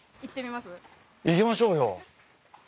行きましょうよ。